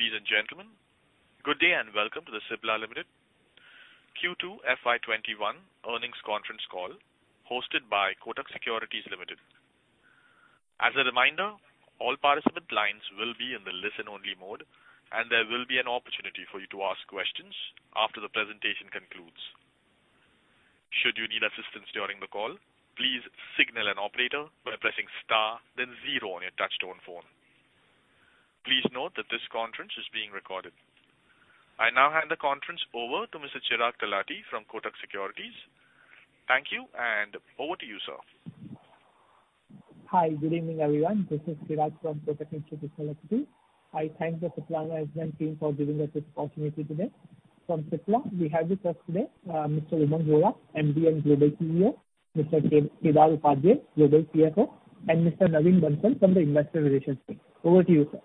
Ladies and gentlemen, good day and welcome to the Cipla Limited Q2 FY21 Earnings Conference Call hosted by Kotak Securities Limited. As a reminder, all participant lines will be in the listen-only mode, and there will be an opportunity for you to ask questions after the presentation concludes. Should you need assistance during the call, please signal an operator by pressing star, then zero on your touch-tone phone. Please note that this conference is being recorded. I now hand the conference over to Mr. Chirag Talati from Kotak Securities. Thank you, and over to you, Sir. Hi, good evening, everyone. This is Chirag from Kotak Institutional Equities. I thank the Cipla Management team for giving us this opportunity today. From Cipla, we have with us today Mr. Umang Vohra, MD and Global CEO, Mr. Kedar Upadhye, Global CFO, and Mr. Naveen Bansal from the Investor Relations team. Over to you, sir.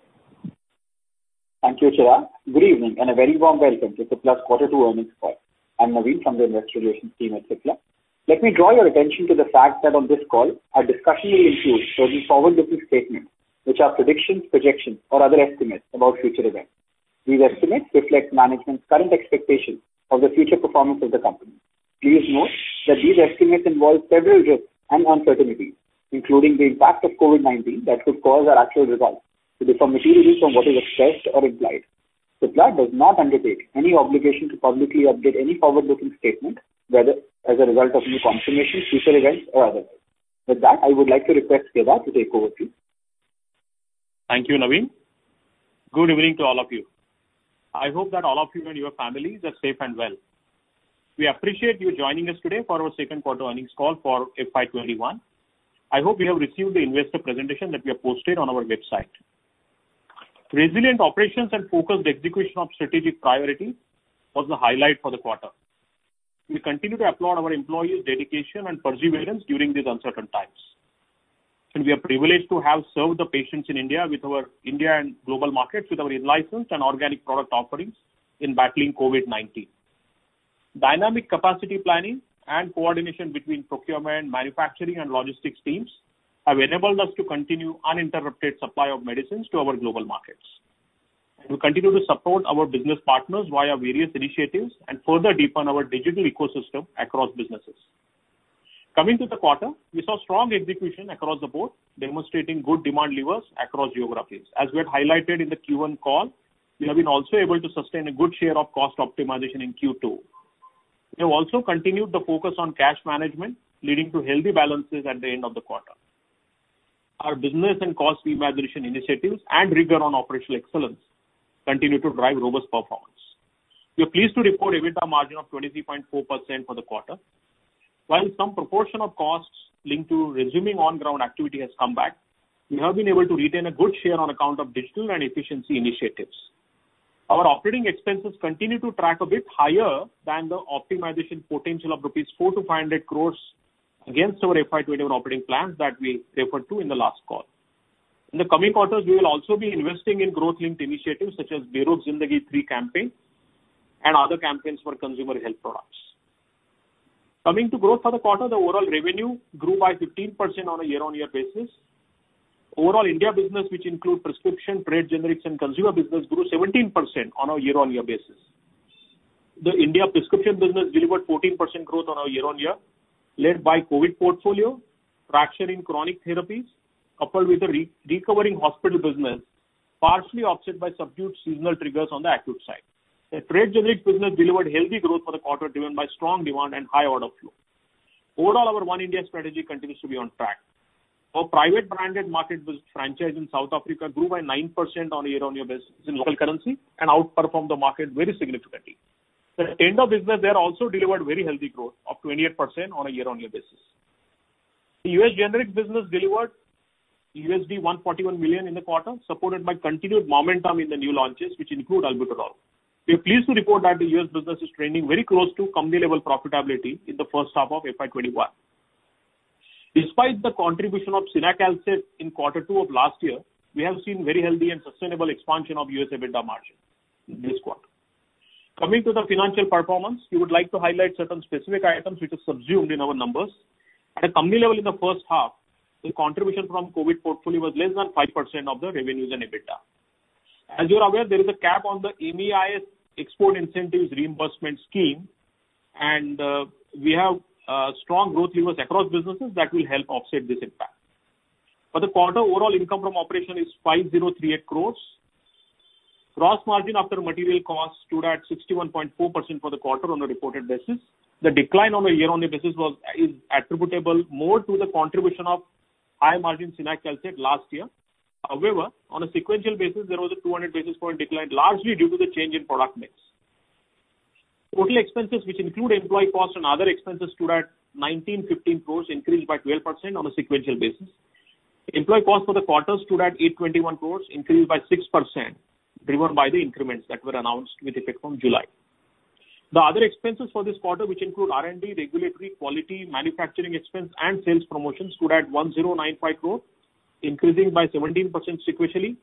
Thank you, Chirag. Good evening and a very warm welcome to Cipla's Quarter Two earnings call. I'm Naveen from the Investor Relations team at Cipla. Let me draw your attention to the fact that on this call, our discussion will include certain forward-looking statements, which are predictions, projections, or other estimates about future events. These estimates reflect management's current expectations of the future performance of the company. Please note that these estimates involve several risks and uncertainties, including the impact of COVID-19 that could cause our actual results to differ materially from what is expressed or implied. Cipla does not undertake any obligation to publicly update any forward-looking statement, whether as a result of new information, future events, or otherwise. With that, I would like to request Kedar to take over, please. Thank you, Naveen. Good evening to all of you. I hope that all of you and your families are safe and well. We appreciate you joining us today for our second quarter earnings call for FY21. I hope you have received the investor presentation that we have posted on our website. Resilient operations and focused execution of strategic priorities was the highlight for the quarter. We continue to applaud our employees' dedication and perseverance during these uncertain times, and we are privileged to have served the patients in India and global markets with our in-licensed and organic product offerings in battling COVID-19. Dynamic capacity planning and coordination between procurement, manufacturing, and logistics teams have enabled us to continue the uninterrupted supply of medicines to our global markets. We continue to support our business partners via various initiatives and further deepen our digital ecosystem across businesses. Coming to the quarter, we saw strong execution across the board, demonstrating good demand levers across geographies. As we had highlighted in the Q1 call, we have been also able to sustain a good share of cost optimization in Q2. We have also continued the focus on cash management, leading to healthy balances at the end of the quarter. Our business and cost reimagination initiatives and rigor on operational excellence continue to drive robust performance. We are pleased to report an EBITDA margin of 23.4% for the quarter. While some proportion of costs linked to resuming on-ground activity has come back, we have been able to retain a good share on account of digital and efficiency initiatives. Our operating expenses continue to track a bit higher than the optimization potential of 400-500 crores rupees against our FY21 operating plans that we referred to in the last call. In the coming quarters, we will also be investing in growth-linked initiatives such as Berok Zindagi 3 campaign and other campaigns for consumer health products. Coming to growth for the quarter, the overall revenue grew by 15% on a year-on-year basis. Overall, India business, which includes prescription, trade, generics, and consumer business, grew 17% on a year-on-year basis. The India prescription business delivered 14% growth on a year-on-year, led by the COVID portfolio, traction in chronic therapies, coupled with a recovering hospital business, partially offset by subdued seasonal triggers on the acute side. The trade-generic business delivered healthy growth for the quarter, driven by strong demand and high order flow. Overall, our One India strategy continues to be on track. Our private-branded market-based franchise in South Africa grew by 9% on a year-on-year basis in local currency and outperformed the market very significantly. At the end of business, there also delivered very healthy growth of 28% on a year-on-year basis. The U.S. generic business delivered $141 million in the quarter, supported by continued momentum in the new launches, which include Albuterol. We are pleased to report that the U.S. business is trending very close to company-level profitability in the first half of FY21. Despite the contribution of Cinacalcet in Q2 of last year, we have seen very healthy and sustainable expansion of U.S. EBITDA margin this quarter. Coming to the financial performance, we would like to highlight certain specific items which are subsumed in our numbers. At a company level, in the first half, the contribution from the COVID portfolio was less than 5% of the revenues in EBITDA. As you are aware, there is a cap on the MEIS export incentives reimbursement scheme, and we have strong growth levers across businesses that will help offset this impact. For the quarter, overall income from operation is 5038 crores. Gross margin after material costs stood at 61.4% for the quarter on a reported basis. The decline on a year-on-year basis is attributable more to the contribution of high-margin Cinacalcet last year. However, on a sequential basis, there was a 200 basis point decline largely due to the change in product mix. Total expenses, which include employee costs and other expenses, stood at 1915 crores, increased by 12% on a sequential basis. Employee costs for the quarter stood at 821 crores, increased by 6%, driven by the increments that were announced with effect from July. The other expenses for this quarter, which include R&D, regulatory, quality, manufacturing expense, and sales promotions, stood at 1,095 crores, increasing by 17% sequentially.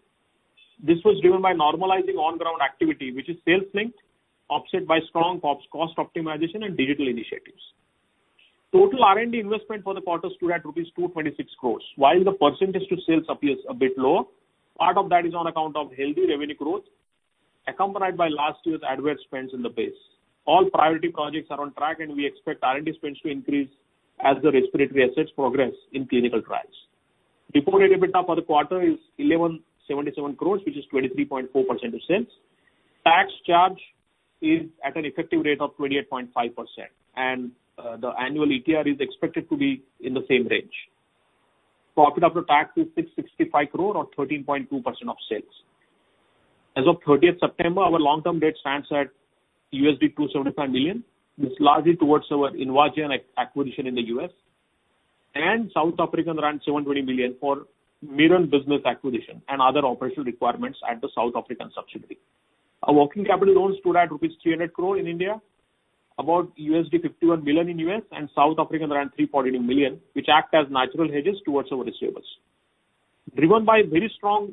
This was driven by normalizing on-ground activity, which is sales-linked, offset by strong cost optimization and digital initiatives. Total R&D investment for the quarter stood at rupees 226 crores. While the percentage to sales appears a bit lower, part of that is on account of healthy revenue growth accompanied by last year's adverse trends in the base. All priority projects are on track, and we expect R&D spends to increase as the respiratory assets progress in clinical trials. Reported EBITDA for the quarter is 1,177 crores, which is 23.4% of sales. Tax charge is at an effective rate of 28.5%, and the annual ETR is expected to be in the same range. Profit after tax is 665 crores, or 13.2% of sales. As of 30 September, our long-term debt stands at $275 million, which is largely towards our inorganic acquisition in the U.S., and South African around 720 million for inorganic business acquisition and other operational requirements at the South African subsidiary. Our working capital loans stood at rupees 300 crores in India, about $51 million in U.S., and South African around 349 million, which act as natural hedges towards our receivables. Driven by a very strong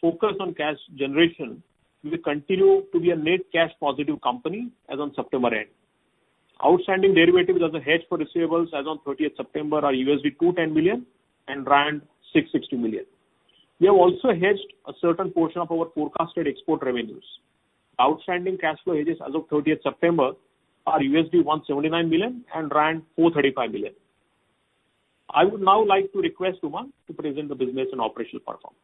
focus on cash generation, we continue to be a net cash-positive company as of September end. Outstanding derivatives as a hedge for receivables as of 30 September are $210 million and around 660 million. We have also hedged a certain portion of our forecasted export revenues. Outstanding cash flow hedges as of 30 September are $179 million and around INR 435 million. I would now like to request Umang to present the business and operational performance.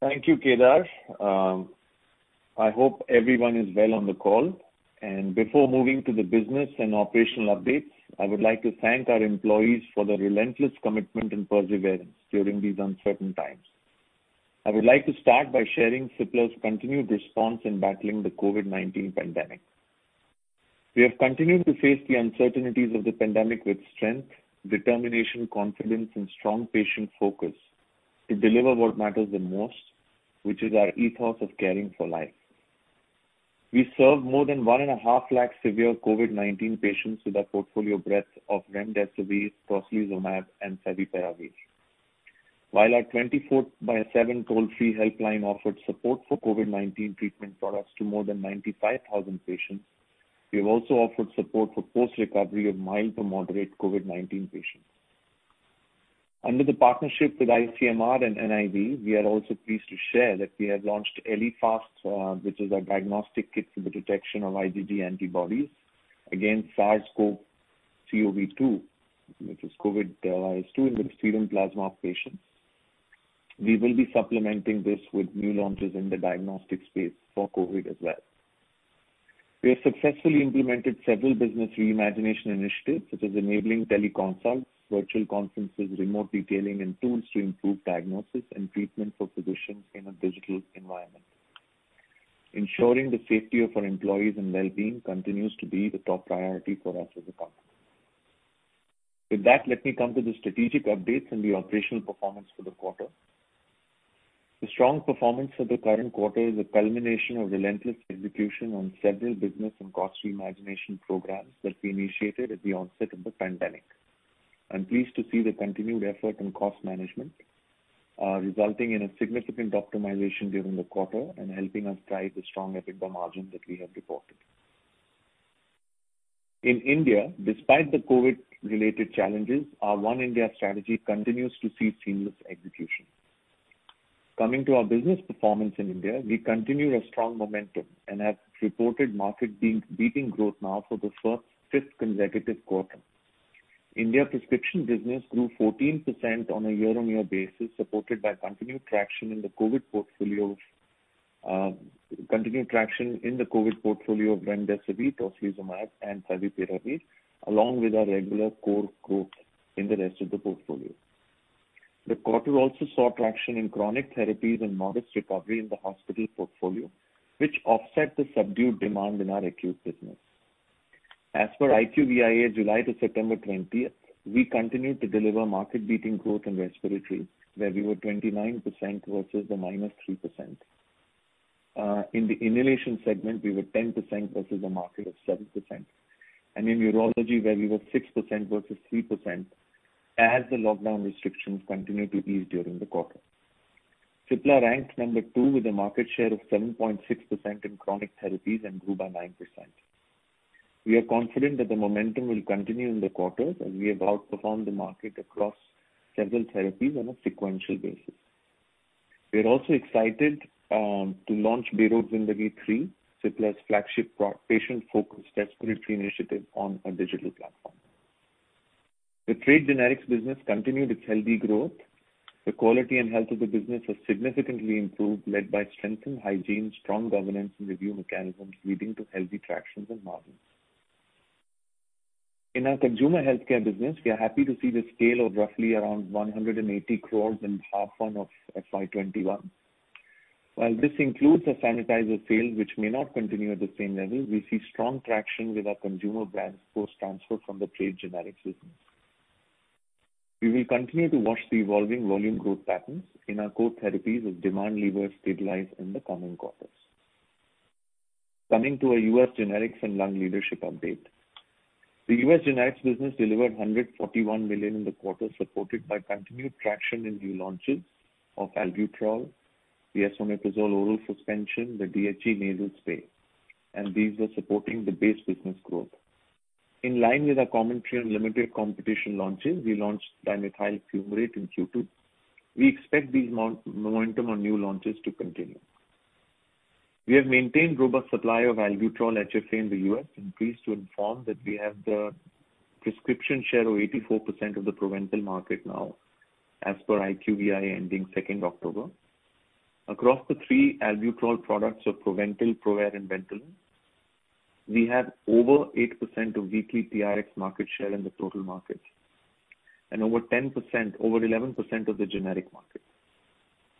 Thank you, Kedar. I hope everyone is well on the call. And before moving to the business and operational updates, I would like to thank our employees for the relentless commitment and perseverance during these uncertain times. I would like to start by sharing Cipla's continued response in battling the COVID-19 pandemic. We have continued to face the uncertainties of the pandemic with strength, determination, confidence, and strong patient focus to deliver what matters the most, which is our ethos of caring for life. We serve more than one and a half lakh severe COVID-19 patients with a portfolio breadth of Remdesivir, Tocilizumab, and Favipiravir. While our 24x7 toll-free helpline offered support for COVID-19 treatment products to more than 95,000 patients, we have also offered support for post-recovery of mild to moderate COVID-19 patients. Under the partnership with ICMR and NIV, we are also pleased to share that we have launched ELIFast, which is a diagnostic kit for the detection of IgG antibodies against SARS-CoV-2, which is coronavirus 2 in the serum plasma of patients. We will be supplementing this with new launches in the diagnostic space for COVID as well. We have successfully implemented several business reimagination initiatives, such as enabling teleconsults, virtual conferences, remote detailing, and tools to improve diagnosis and treatment for physicians in a digital environment. Ensuring the safety of our employees and well-being continues to be the top priority for us as a company. With that, let me come to the strategic updates and the operational performance for the quarter. The strong performance for the current quarter is a culmination of relentless execution on several business and cost reimagination programs that we initiated at the onset of the pandemic. I'm pleased to see the continued effort in cost management resulting in a significant optimization during the quarter and helping us drive the strong EBITDA margin that we have reported. In India, despite the COVID-related challenges, our One India strategy continues to see seamless execution. Coming to our business performance in India, we continue our strong momentum and have reported market-beating growth now for the fifth consecutive quarter. India prescription business grew 14% on a year-on-year basis, supported by continued traction in the COVID portfolio of Remdesivir, Tocilizumab, and Favipiravir, along with our regular core growth in the rest of the portfolio. The quarter also saw traction in chronic therapies and modest recovery in the hospital portfolio, which offset the subdued demand in our acute business. As per IQVIA's July to September 2020, we continued to deliver market-beating growth in respiratory, where we were 29% versus a -3%. In the inhalation segment, we were 10% versus a market of 7%. And in urology, where we were 6% versus 3%, as the lockdown restrictions continued to ease during the quarter. Cipla ranked number two with a market share of 7.6% in chronic therapies and grew by 9%. We are confident that the momentum will continue in the quarter as we have outperformed the market across several therapies on a sequential basis. We are also excited to launch Berok Zindagi 3, Cipla's flagship patient-focused respiratory initiative on a digital platform. The trade-generics business continued its healthy growth. The quality and health of the business has significantly improved, led by strengthened hygiene, strong governance, and review mechanisms leading to healthy tractions and margins. In our consumer healthcare business, we are happy to see the scale of roughly around 180 crores in H1 of FY21. While this includes a sanitizer sale, which may not continue at the same level, we see strong traction with our consumer brands' portfolio transfer from the trade-generics business. We will continue to watch the evolving volume growth patterns in our core therapies as demand levers stabilize in the coming quarters. Coming to our US generics and lung leadership update, the US generics business delivered $141 million in the quarter, supported by continued traction in new launches of Albuterol, the Esomeprazole oral suspension, the DHE nasal spray, and these are supporting the base business growth. In line with our commentary on limited competition launches, we launched Dimethyl Fumarate in Q2. We expect this momentum on new launches to continue. We have maintained robust supply of Albuterol HFA in the US, and pleased to inform that we have the prescription share of 84% of the Proventil market now, as per IQVIA ending 2 October. Across the three Albuterol products of Proventil, ProAir, and Ventolin, we have over 8% of weekly TRx market share in the total market and over 10%, over 11% of the generic market.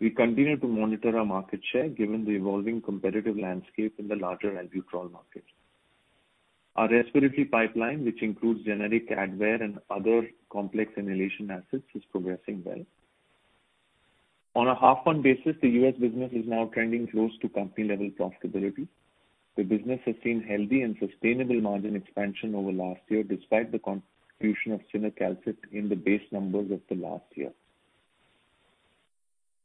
We continue to monitor our market share given the evolving competitive landscape in the larger Albuterol market. Our respiratory pipeline, which includes generic Advair and other complex inhalation assets, is progressing well. On a H1 basis, the US business is now trending close to company-level profitability. The business has seen healthy and sustainable margin expansion over last year, despite the contribution of Cinacalcet in the base numbers of the last year.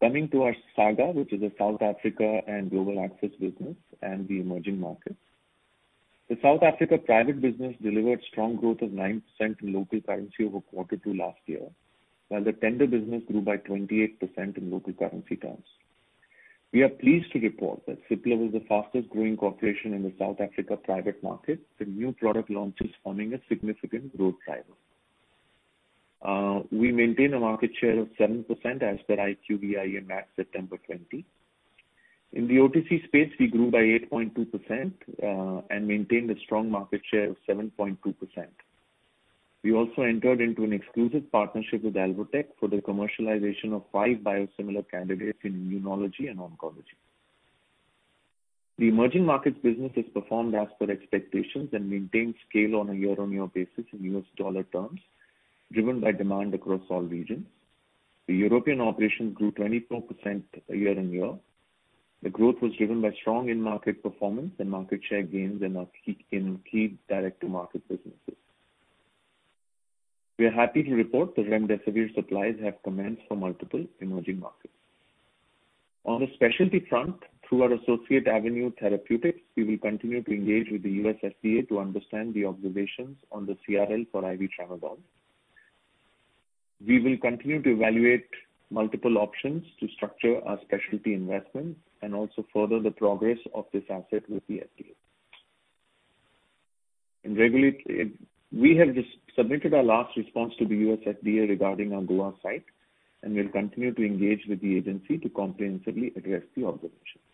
Coming to our SAGA, which is a South Africa and Global Access business and the emerging markets, the South Africa private business delivered strong growth of 9% in local currency over quarter two last year, while the tender business grew by 28% in local currency terms. We are pleased to report that Cipla was the fastest-growing corporation in the South Africa private market, with new product launches forming a significant growth driver. We maintain a market share of 7% as per IQVIA MAT September 20. In the OTC space, we grew by 8.2% and maintained a strong market share of 7.2%. We also entered into an exclusive partnership with Alvotec for the commercialization of five biosimilar candidates in immunology and oncology. The emerging markets business has performed as per expectations and maintained scale on a year-on-year basis in US dollar terms, driven by demand across all regions. The European operations grew 24% year-on-year. The growth was driven by strong in-market performance and market share gains in key direct-to-market businesses. We are happy to report that Remdesivir supplies have commenced for multiple emerging markets. On the specialty front, through our associate Avenue Therapeutics, we will continue to engage with the US FDA to understand the observations on the CRL for IV Tramadol. We will continue to evaluate multiple options to structure our specialty investments and also further the progress of this asset with the FDA. We have submitted our last response to the US FDA regarding our Goa site, and we'll continue to engage with the agency to comprehensively address the observations.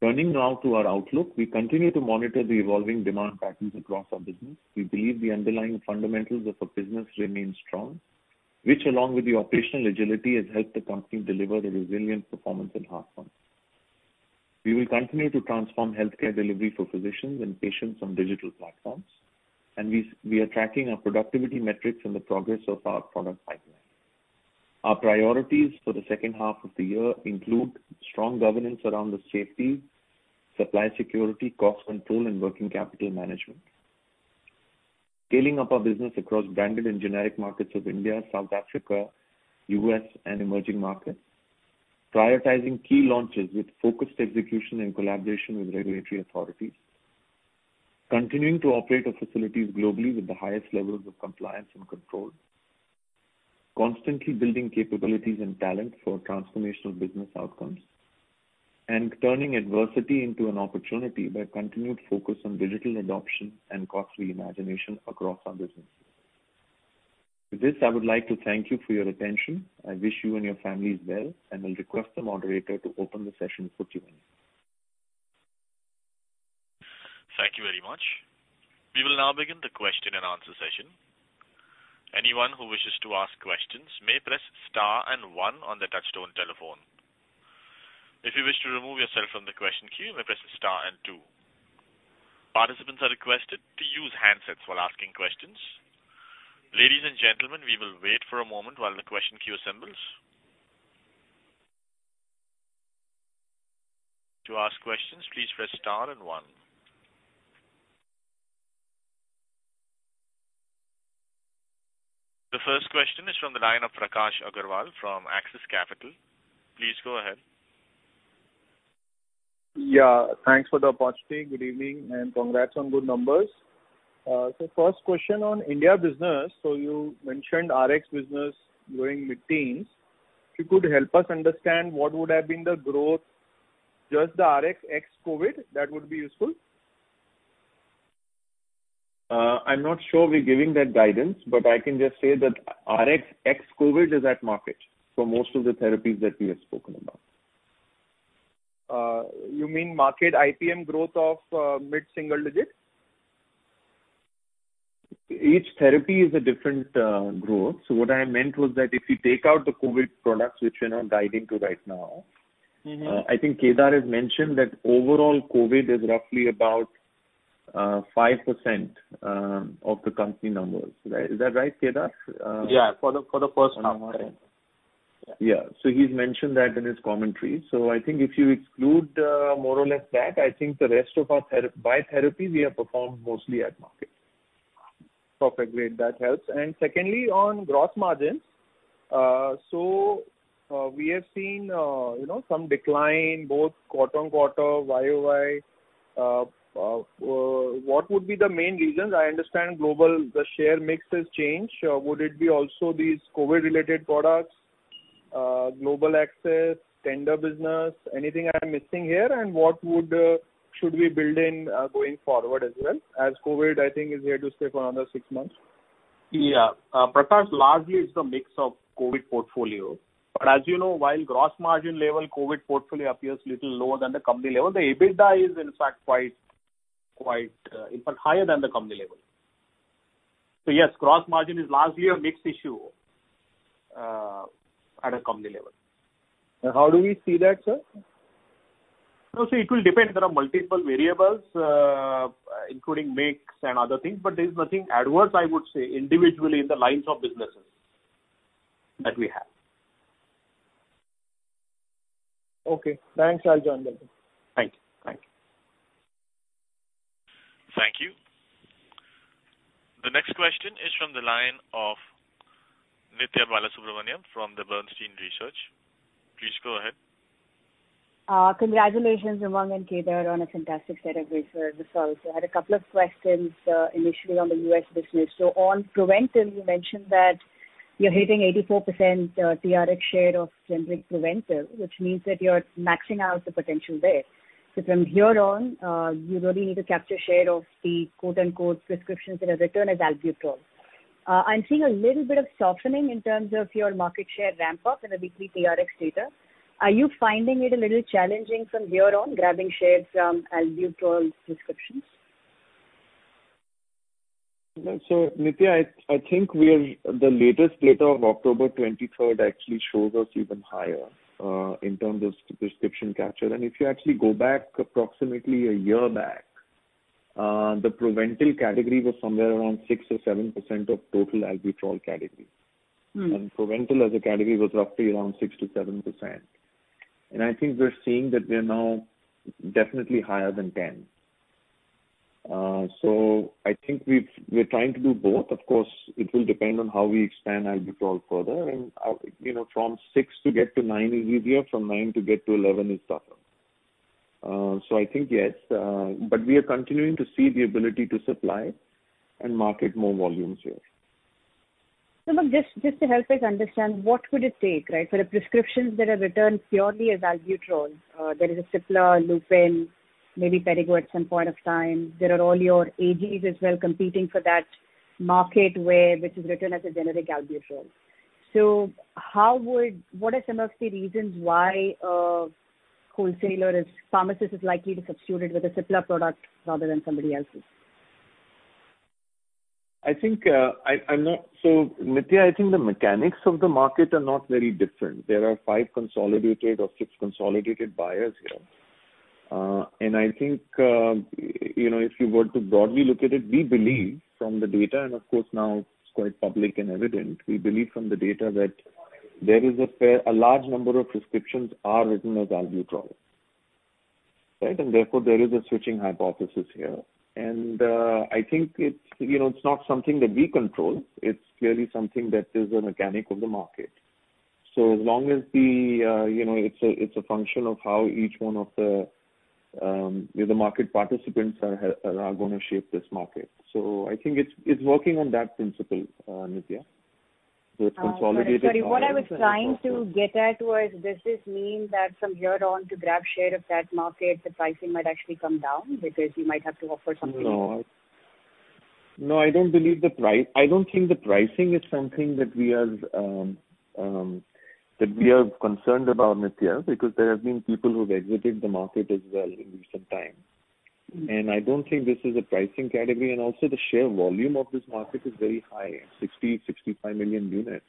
Turning now to our outlook, we continue to monitor the evolving demand patterns across our business. We believe the underlying fundamentals of our business remain strong, which, along with the operational agility, has helped the company deliver a resilient performance in the first half. We will continue to transform healthcare delivery for physicians and patients on digital platforms, and we are tracking our productivity metrics and the progress of our product pipeline. Our priorities for the second half of the year include strong governance around the safety, supply security, cost control, and working capital management, scaling up our business across branded and generic markets of India, South Africa, U.S., and emerging markets, prioritizing key launches with focused execution and collaboration with regulatory authorities, continuing to operate our facilities globally with the highest levels of compliance and control, constantly building capabilities and talent for transformational business outcomes, and turning adversity into an opportunity by continued focus on digital adoption and cost reimagination across our business. With this, I would like to thank you for your attention. I wish you and your families well, and I'll request the moderator to open the session for Q&A. Thank you very much. We will now begin the question-and-answer session. Anyone who wishes to ask questions may press star and one on the touch-tone telephone. If you wish to remove yourself from the question queue, you may press star and two. Participants are requested to use handsets while asking questions. Ladies and gentlemen, we will wait for a moment while the question queue assembles. To ask questions, please press star and one. The first question is from the line of Prakash Agarwal from Axis Capital. Please go ahead. Yeah. Thanks for the opportunity. Good evening and congrats on good numbers. So first question on India business. So you mentioned RX business during mid-teens. If you could help us understand what would have been the growth, just the RX ex-COVID, that would be useful. I'm not sure we're giving that guidance, but I can just say that RX ex-COVID is at market for most of the therapies that we have spoken about. You mean market IPM growth of mid-single digit? Each therapy is a different growth. So what I meant was that if you take out the COVID products, which we're now diving into right now, I think Kedar has mentioned that overall COVID is roughly about 5% of the company numbers. Is that right, Kedar? Yeah. For the first half, yeah. Yeah. So he's mentioned that in his commentary. So I think if you exclude more or less that, I think the rest of our by therapy, we have performed mostly at market. Perfect. Great. That helps. And secon dly, on gross margins, so we have seen some decline both quarter on quarter, YOY. What would be the main reasons? I understand global share mix has changed. Would it be also these COVID-related products, global access, tender business, anything I'm missing here? And what should we build in going forward as well as COVID, I think, is here to stay for another six months? Yeah. Prakash, largely, it's a mix of COVID portfolio. But as you know, while gross margin level COVID portfolio appears a little lower than the company level, the EBITDA is, in fact, quite higher than the company level. So yes, gross margin is largely a mix issue at a company level. How do we see that, sir? So it will depend. There are multiple variables, including mix and other things, but there is nothing adverse, I would say, individually in the lines of businesses that we have. Okay. Thanks, Rajan. Thank you. Thank you. Thank you. The next question is from the line of Nithya Balasubramanian from the Bernstein Research. Please go ahead. Congratulations, Umang and Kedar, on a fantastic set of results. I had a couple of questions initially on the US business. So on preventive, you mentioned that you're hitting 84% TRx share of generic preventive, which means that you're maxing out the potential there. So from here on, you really need to capture share of the "prescriptions" that are returned as Albuterol. I'm seeing a little bit of softening in terms of your market share ramp-up in the weekly TRx data. Are you finding it a little challenging from here on, grabbing share from Albuterol prescriptions? Nithya, I think the latest data of October 23rd actually shows us even higher in terms of prescription capture. And if you actually go back approximately a year back, the Proventil category was somewhere around 6% or 7% of total Albuterol category. And Proventil as a category was roughly around 6%-7%. And I think we're seeing that we're now definitely higher than 10%. So I think we're trying to do both. Of course, it will depend on how we expand Albuterol further. And from 6% to get to 9% is easier. From 9% to get to 11% is tougher. So I think yes. But we are continuing to see the ability to supply and market more volumes here. So just to help us understand, what would it take, right, for the prescriptions that are returned purely as Albuterol? There is a Cipla, Lupin, maybe Perrigo at some point of time. There are all your AGs as well competing for that market where this is written as a generic Albuterol. So what are some of the reasons why pharmacists are likely to substitute it with a Cipla product rather than somebody else's? I think I'm not so Nithya, I think the mechanics of the market are not very different. There are five consolidated or six consolidated buyers here. And I think if you were to broadly look at it, we believe from the data, and of course, now it's quite public and evident, we believe from the data that there is a large number of prescriptions that are written as Albuterol, right? And therefore, there is a switching hypothesis here. And I think it's not something that we control. It's clearly something that is a mechanic of the market. So as long as it's a function of how each one of the market participants are going to shape this market. So I think it's working on that principle, Nithya. So it's consolidated. Sorry, what I was trying to get at was, does this mean that from here on to grab share of that market, the pricing might actually come down because you might have to offer something? No. No, I don't believe the price. I don't think the pricing is something that we are concerned about, Nithya, because there have been people who've exited the market as well in recent times. And I don't think this is a pricing category. And also, the share volume of this market is very high, 60-65 million units.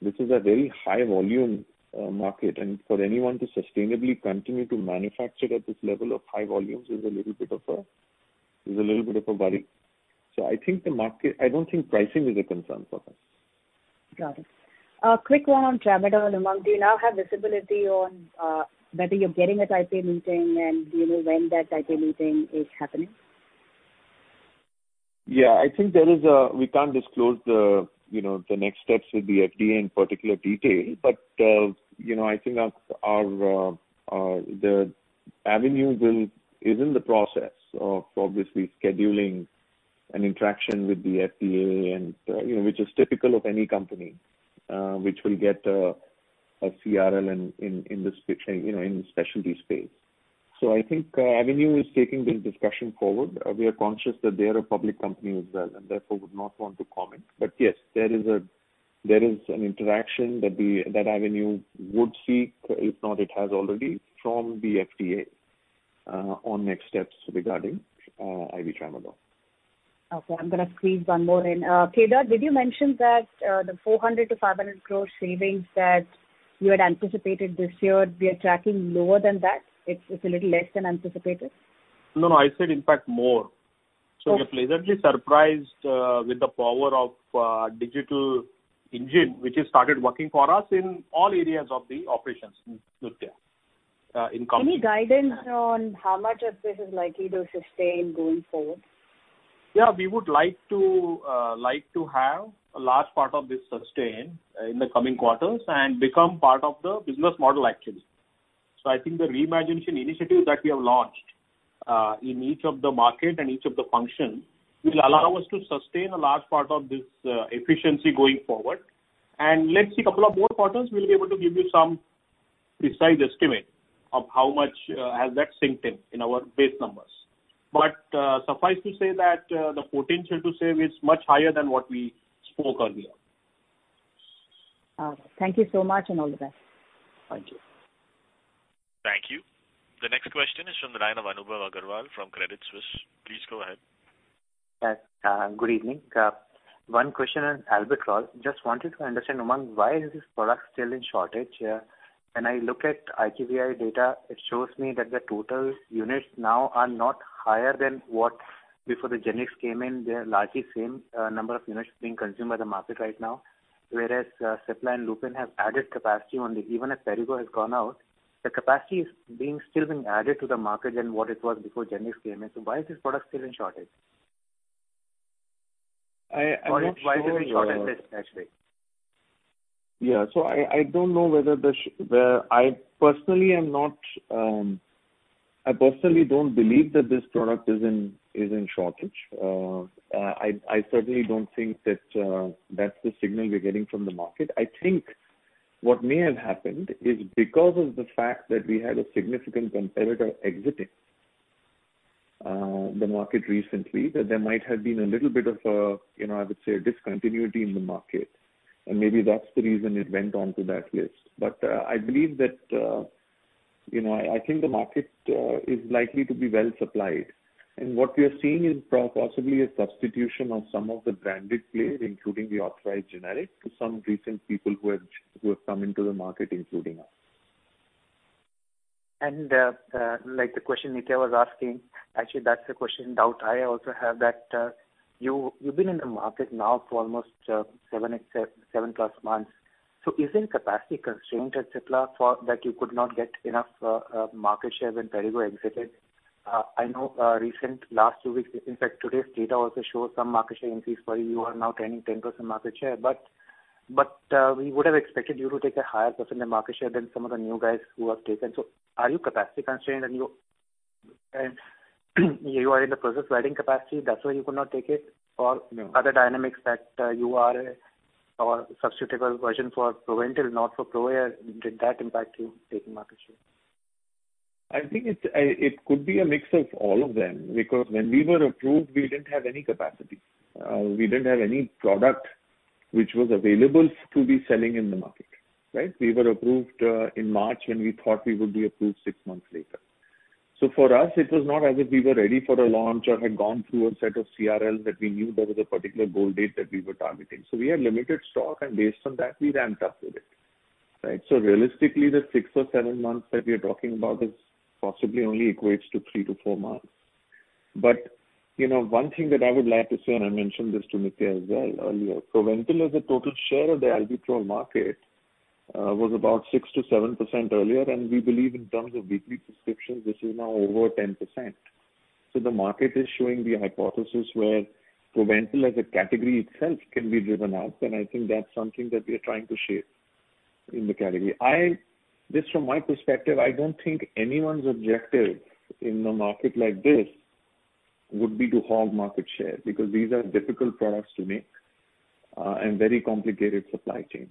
This is a very high-volume market. And for anyone to sustainably continue to manufacture at this level of high volumes is a little bit of a worry. So I think the market. I don't think pricing is a concern for us. Got it. Quick one on Tramadol, Umang, do you now have visibility on whether you're getting a type A meeting and when that type A meeting is happening? Yeah. I think there is, we can't disclose the next steps with the FDA in particular detail, but I think the Avenue is in the process of obviously scheduling an interaction with the FDA, which is typical of any company which will get a CRL in the specialty space. So I think Avenue is taking this discussion forward. We are conscious that they are a public company as well and therefore would not want to comment. But yes, there is an interaction that Avenue would seek, if not, it has already from the FDA on next steps regarding IV Tramadol. Okay. I'm going to squeeze one more in. Kedar, did you mention that the 400-500 gross savings that you had anticipated this year, we are tracking lower than that? It's a little less than anticipated? No, no. I said in fact more. So we are pleasantly surprised with the power of digital engine, which has started working for us in all areas of the operations in India in company. Any guidance on how much of this is likely to sustain going forward? Yeah. We would like to have a large part of this sustain in the coming quarters and become part of the business model, actually. So I think the reimagination initiative that we have launched in each of the market and each of the functions will allow us to sustain a large part of this efficiency going forward. And let's see a couple of more quarters. We'll be able to give you some precise estimate of how much has that sunk in our base numbers. But suffice to say that the potential to save is much higher than what we spoke earlier. Thank you so much and all the best. Thank you. Thank you. The next question is from the line of Anubhav Agarwal from Credit Suisse. Please go ahead. Yes. Good evening. One question on Albuterol. Just wanted to understand, Umang, why is this product still in shortage? When I look at IQVIA data, it shows me that the total units now are not higher than what before the genics came in. They're largely the same number of units being consumed by the market right now, whereas Cipla and Lupin have added capacity. And even if Perrigo has gone out, the capacity is still being added to the market than what it was before genics came in. So why is this product still in shortage? Why is it in shortage, actually? Yeah. I personally don't believe that this product is in shortage. I certainly don't think that that's the signal we're getting from the market. I think what may have happened is because of the fact that we had a significant competitor exiting the market recently, that there might have been a little bit of a, I would say, a discontinuity in the market. And maybe that's the reason it went onto that list. But I believe that I think the market is likely to be well supplied. And what we are seeing is possibly a substitution of some of the branded players, including the authorized generic, to some recent people who have come into the market, including us. Like the question Nithya was asking, actually, that's a question in mind I also have that you've been in the market now for almost seven plus months. So isn't capacity constrained, etc., that you could not get enough market share when Perrigo exited? I know recent last two weeks, in fact, today's data also shows some market share increase where you are now turning 10% market share. But we would have expected you to take a higher % of market share than some of the new guys who have taken. So are you capacity constrained and you are in the process of adding capacity? That's why you could not take it? Or other dynamics that you are a substitutable version for Proventil, not for ProAir, did that impact you taking market share? I think it could be a mix of all of them because when we were approved, we didn't have any capacity. We didn't have any product which was available to be selling in the market, right? We were approved in March when we thought we would be approved six months later. So for us, it was not as if we were ready for a launch or had gone through a set of CRLs that we knew there was a particular goal date that we were targeting. So we had limited stock, and based on that, we ramped up with it, right? So realistically, the six or seven months that we are talking about possibly only equates to three-to-four months. One thing that I would like to say, and I mentioned this to Nithya as well earlier. Proventil as a total share of the Albuterol market was about 6%-7% earlier. And we believe in terms of weekly prescriptions, this is now over 10%. So the market is showing the hypothesis where Proventil as a category itself can be driven up. And I think that's something that we are trying to shape in the category. Just from my perspective, I don't think anyone's objective in a market like this would be to hog market share because these are difficult products to make and very complicated supply chains.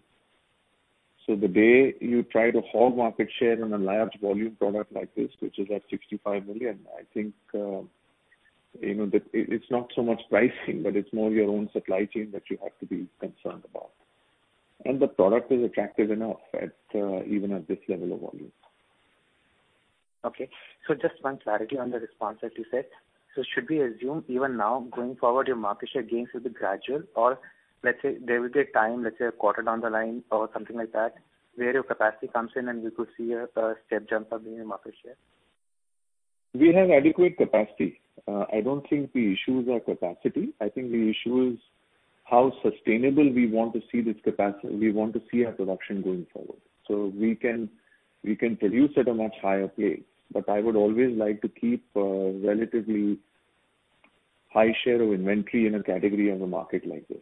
So the day you try to hog market share in a large volume product like this, which is at 65 million, I think it's not so much pricing, but it's more your own supply chain that you have to be concerned about. And the product is attractive enough even at this level of volume. Okay. So just one clarity on the response, as you said. So should we assume even now, going forward, your market share gains will be gradual, or let's say there will be a time, let's say a quarter down the line or something like that, where your capacity comes in and we could see a step jump of your market share? We have adequate capacity. I don't think the issue is our capacity. I think the issue is how sustainable we want to see this capacity we want to see our production going forward. So we can produce at a much higher place. But I would always like to keep a relatively high share of inventory in a category of a market like this.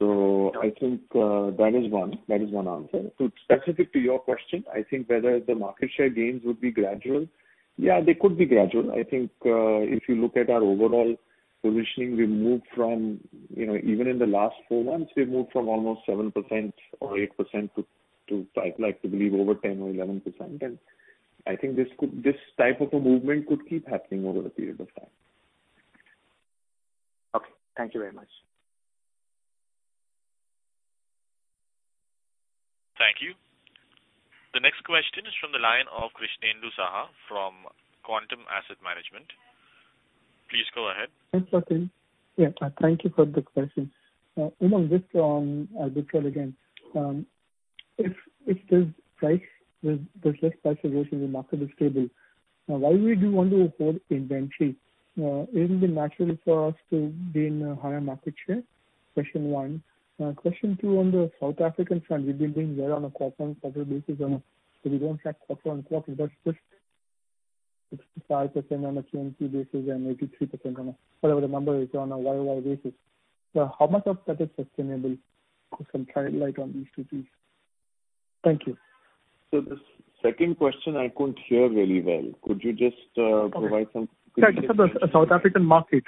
So I think that is one. That is one answer. So specific to your question, I think whether the market share gains would be gradual, yeah, they could be gradual. I think if you look at our overall positioning, we moved from even in the last four months, we moved from almost 7% or 8% to, I'd like to believe, over 10% or 11%. And I think this type of a movement could keep happening over a period of time. Okay. Thank you very much. Thank you. The next question is from the line of Krishnendu Saha from Quantum Asset Management. Please go ahead. Yeah. Thank you for the question. Umang, just on Albuterol again, if this price with this list price evolution in the market is stable, why would we want to hold inventory? Isn't it natural for us to gain a higher market share? Question one. Question two on the South African side, we've been doing well on a quarter-on-quarter basis. So we don't track quarter-on-quarter, but just 65% on a Q&Q basis and 83% on a whatever the number is on a YoY basis. How much of that is sustainable? Put some light on these two things. Thank you. So the second question, I couldn't hear very well. Could you just provide some? Sorry. So the South African market,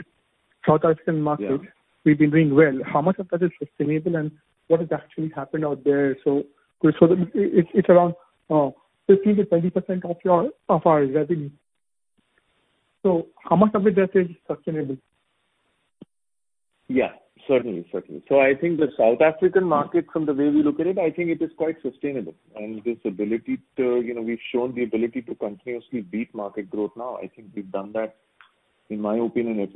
we've been doing well. How much of that is sustainable and what has actually happened out there? So it's around 15%-20% of our revenue. So how much of it that is sustainable? Yeah. Certainly, certainly. So I think the South African market, from the way we look at it, I think it is quite sustainable. And this ability we've shown to continuously beat market growth now. I think we've done that, in my opinion, at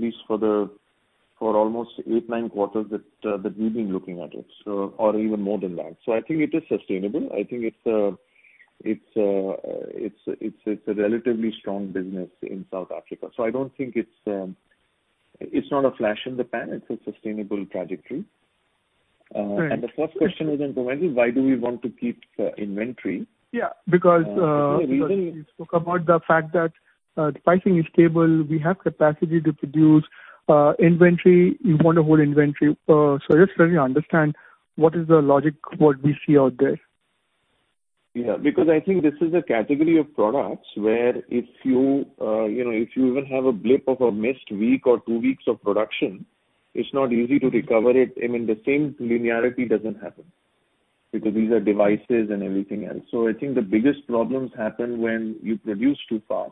least for almost eight, nine quarters that we've been looking at it, or even more than that. So I think it is sustainable. I think it's a relatively strong business in South Africa. So I don't think it's not a flash in the pan. It's a sustainable trajectory. And the first question is on preventive. Why do we want to keep inventory? Yeah. Because you spoke about the fact that pricing is stable. We have capacity to produce inventory. You want to hold inventory. So I just try to understand what is the logic, what we see out there? Yeah. Because I think this is a category of products where if you even have a blip of a missed week or two weeks of production, it's not easy to recover it. I mean, the same linearity doesn't happen because these are devices and everything else. So I think the biggest problems happen when you produce too fast,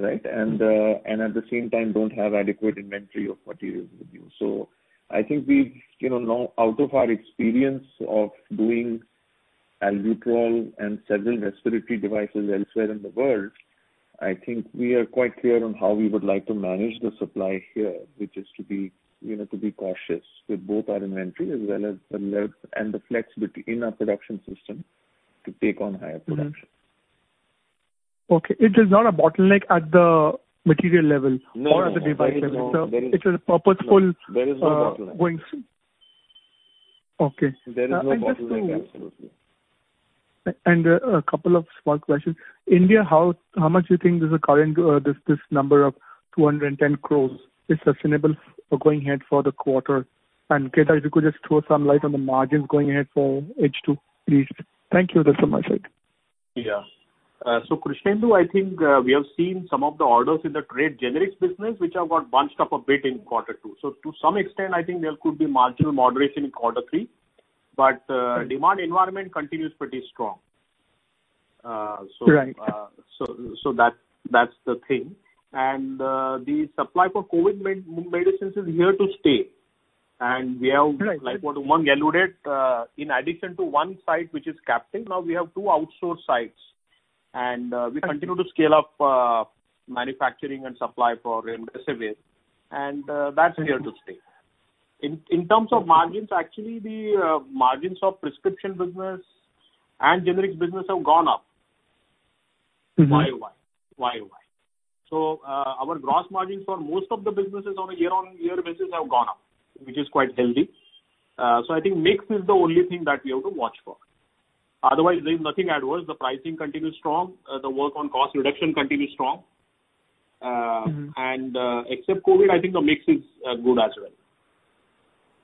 right, and at the same time don't have adequate inventory of materials with you. So I think we've now, out of our experience of doing Albuterol and several respiratory devices elsewhere in the world, I think we are quite clear on how we would like to manage the supply here, which is to be cautious with both our inventory as well as the flex in our production system to take on higher production. Okay. It is not a bottleneck at the material level or at the device level, so it is a purposeful going forward. There is no bottleneck. Okay. There is no bottleneck, absolutely. A couple of small questions. India, how much do you think this number of 210 crores is sustainable for going ahead for the quarter? Kedar, if you could just throw some light on the margins going ahead for H2, please. Thank you. That's all my side. Yeah. So Krishnendu Saha, I think we have seen some of the orders in the trade generics business, which have got bunched up a bit in quarter two. So to some extent, I think there could be marginal moderation in quarter three, but demand environment continues pretty strong. So that's the thing. And the supply for COVID medicines is here to stay. And we have, like what Umang alluded, in addition to one site, which is captive, now we have two outsourced sites. And we continue to scale up manufacturing and supply for Remdesivir. And that's here to stay. In terms of margins, actually, the margins of prescription business and generics business have gone up YOY. So our gross margins for most of the businesses on a year-on-year basis have gone up, which is quite healthy. So I think mix is the only thing that we have to watch for. Otherwise, there is nothing adverse. The pricing continues strong. The work on cost reduction continues strong, and except COVID, I think the mix is good as well.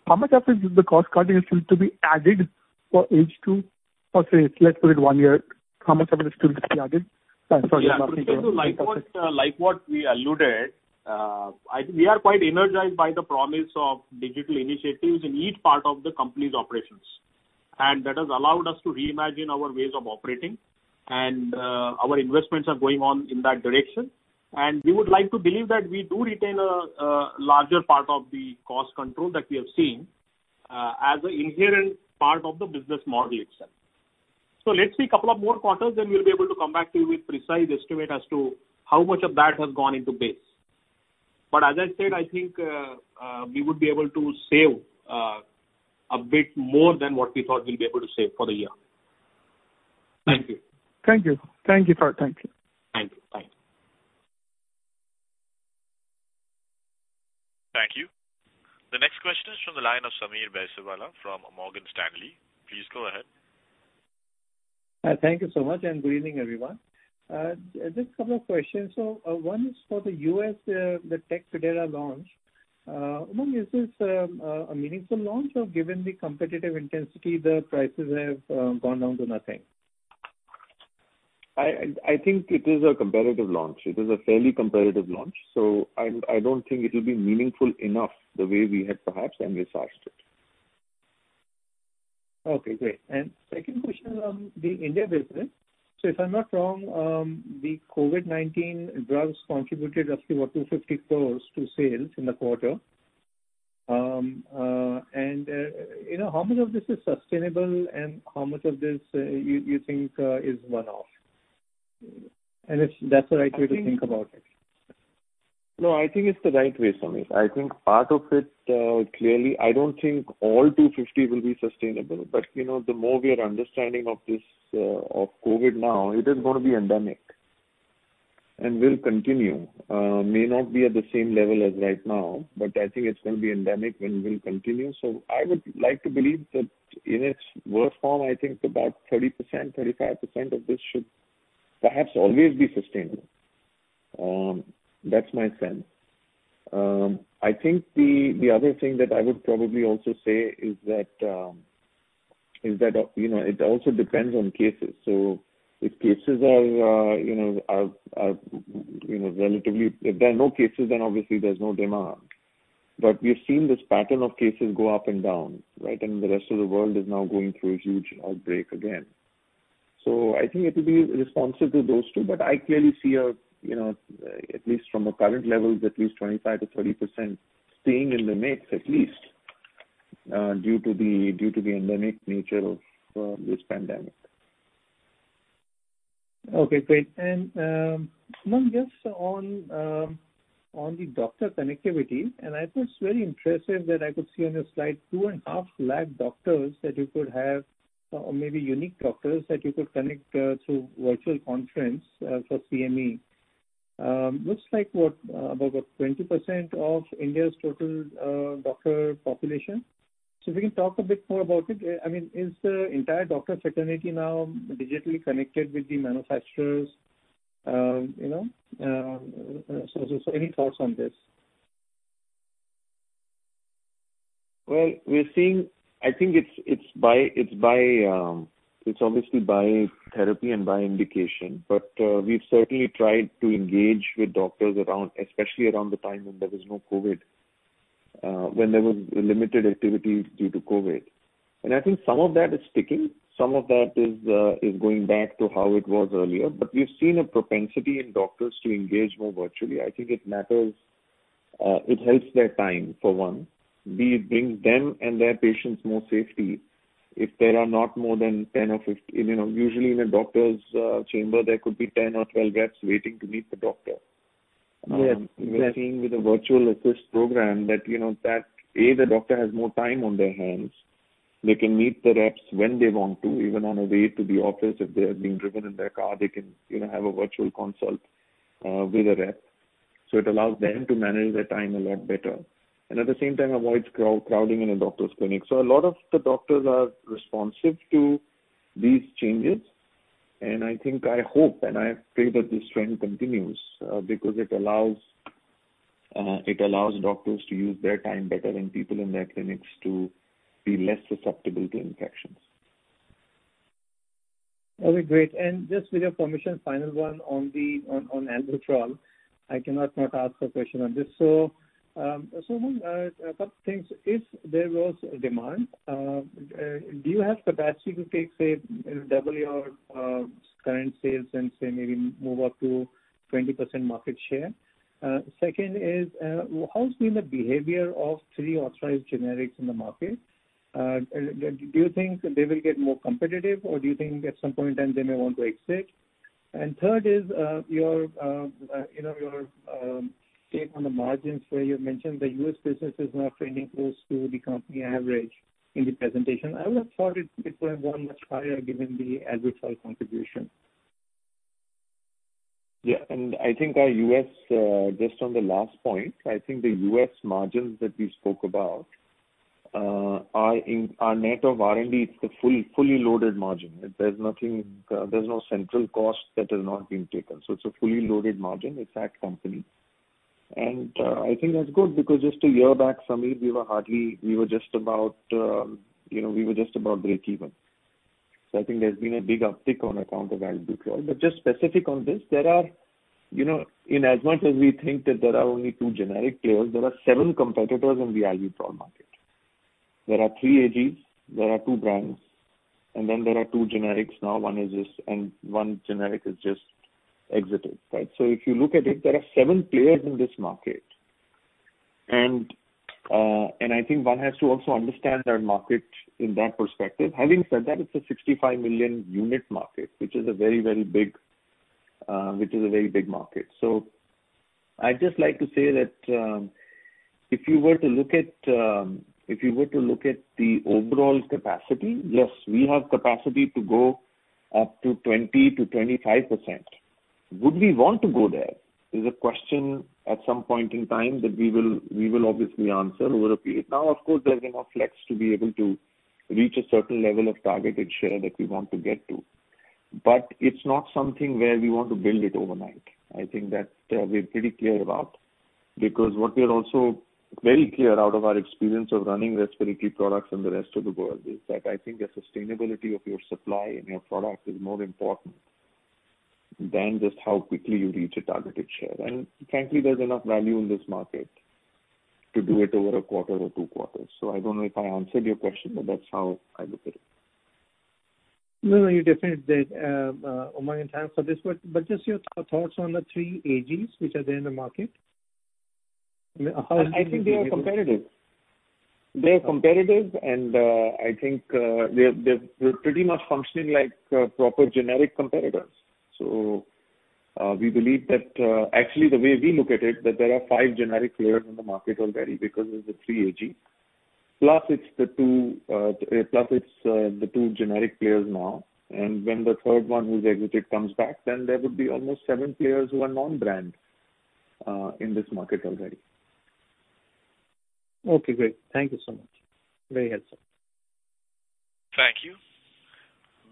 How much of it is the cost continues to be added for H2? Let's put it one year. How much of it is still to be added? Sorry. Like what we alluded, we are quite energized by the promise of digital initiatives in each part of the company's operations, and that has allowed us to reimagine our ways of operating. And our investments are going on in that direction, and we would like to believe that we do retain a larger part of the cost control that we have seen as an inherent part of the business model itself, so let's see a couple of more quarters, then we'll be able to come back to you with precise estimate as to how much of that has gone into base, but as I said, I think we would be able to save a bit more than what we thought we'll be able to save for the year. Thank you. Thank you. Thank you for attention. Thank you. Bye. Thank you. The next question is from the line of Sameer Baisiwala from Morgan Stanley. Please go ahead. Thank you so much and good evening, everyone. Just a couple of questions. One is for the US, the Tecfidera are launched. Umang, is this a meaningful launch or, given the competitive intensity, the prices have gone down to nothing? I think it is a competitive launch. It is a fairly competitive launch. So I don't think it will be meaningful enough the way we had perhaps envisaged it. Okay. Great. And second question on the India business. So if I'm not wrong, the COVID-19 drugs contributed roughly about 250 crores to sales in the quarter. And how much of this is sustainable and how much of this you think is one-off? And if that's the right way to think about it. No, I think it's the right way, Sameer. I think part of it clearly, I don't think all 250 will be sustainable. But the more we are understanding of this of COVID now, it is going to be endemic and will continue. May not be at the same level as right now, but I think it's going to be endemic and will continue. So I would like to believe that in its worst form, I think about 30%-35% of this should perhaps always be sustainable. That's my sense. I think the other thing that I would probably also say is that it also depends on cases. So if cases are relatively if there are no cases, then obviously there's no demand. But we have seen this pattern of cases go up and down, right? And the rest of the world is now going through a huge outbreak again. So I think it will be responsive to those two. But I clearly see a, at least from a current level, at least 25%-30% staying in the mix at least due to the endemic nature of this pandemic. Okay. Great. And Umang, just on the doctor connectivity, and I thought it's very impressive that I could see on your slide two and a half lakh doctors that you could have, or maybe unique doctors that you could connect through virtual conference for CME. Looks like about 20% of India's total doctor population. So if we can talk a bit more about it. I mean, is the entire doctor fraternity now digitally connected with the manufacturers? So any thoughts on this? I think it's obviously by therapy and by indication. But we've certainly tried to engage with doctors, especially around the time when there was no COVID, when there was limited activity due to COVID. And I think some of that is sticking. Some of that is going back to how it was earlier. But we've seen a propensity in doctors to engage more virtually. I think it helps their time, for one. It brings them and their patients more safety if there are not more than 10 or 15. Usually, in a doctor's chamber, there could be 10 or 12 reps waiting to meet the doctor. We're seeing with the virtual assist program that, A, the doctor has more time on their hands. They can meet the reps when they want to, even on the way to the office. If they have been driven in their car, they can have a virtual consult with a rep, so it allows them to manage their time a lot better, and at the same time, avoids crowding in a doctor's clinic, so a lot of the doctors are responsive to these changes, and I think I hope and I pray that this trend continues because it allows doctors to use their time better and people in their clinics to be less susceptible to infections. Okay. Great. And just with your permission, final one on Albuterol. I cannot not ask a question on this. So Umang, a couple of things. If there was demand, do you have capacity to take, say, double your current sales and, say, maybe move up to 20% market share? Second is, how's been the behavior of three authorized generics in the market? Do you think they will get more competitive, or do you think at some point in time they may want to exit? And third is your take on the margins where you mentioned the US business is not trending close to the company average in the presentation. I would have thought it went much higher given the Albuterol contribution. Yeah. And I think our U.S., just on the last point, I think the U.S. margins that we spoke about, our net of R&D, it's the fully loaded margin. There's no central cost that has not been taken. So it's a fully loaded margin. It's at company. And I think that's good because just a year back, Sameer, we were just about breakeven. So I think there's been a big uptick on account of Albuterol. But just specific on this, there are in as much as we think that there are only two generic players, there are seven competitors in the Albuterol market. There are three AGs. There are two brands. And then there are two generics now. One is us and one generic has just exited, right? So if you look at it, there are seven players in this market. And I think one has to also understand that market in that perspective. Having said that, it's a 65 million unit market, which is a very big market. So I'd just like to say that if you were to look at the overall capacity, yes, we have capacity to go up to 20%-25%. Would we want to go there? Is a question at some point in time that we will obviously answer over a period. Now, of course, there's enough flex to be able to reach a certain level of targeted share that we want to get to. But it's not something where we want to build it overnight. I think that we're pretty clear about because what we are also very clear out of our experience of running respiratory products in the rest of the world is that I think the sustainability of your supply and your product is more important than just how quickly you reach a targeted share, and frankly, there's enough value in this market to do it over a quarter or two quarters, so I don't know if I answered your question, but that's how I look at it. No, no. You definitely did, Umang, and thanks for this. But just your thoughts on the three AGs, which are there in the market? I mean, how is it? I think they are competitive. They are competitive, and I think they're pretty much functioning like proper generic competitors. So we believe that actually, the way we look at it, that there are five generic players in the market already because there are three AGs plus there are two generic players now. And when the third one who's exited comes back, then there would be almost seven players who are non-brand in this market already. Okay. Great. Thank you so much. Very helpful. Thank you.